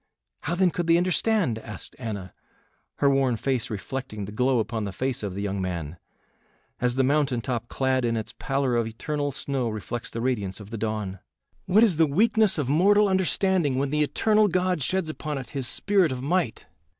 "How, then, could they understand?" asked Anna, her worn face reflecting the glow upon the face of the young man, as the mountain top clad in its pallor of eternal snow reflects the radiance of the dawn. "What is the weakness of mortal understanding when the eternal God sheds upon it his spirit of might?